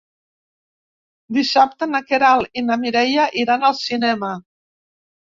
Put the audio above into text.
Dissabte na Queralt i na Mireia iran al cinema.